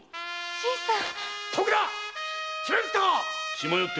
新さん！